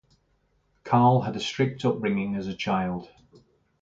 Carl had a strict upbringing as a child.